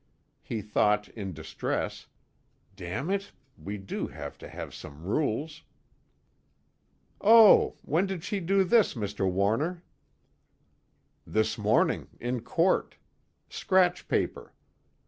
He thought in distress: Damn it, we do have to have some rules "Oh! When did she do this, Mr. Warner?" "This morning, in court. Scratch paper.